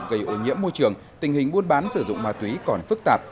gây ô nhiễm môi trường tình hình buôn bán sử dụng ma túy còn phức tạp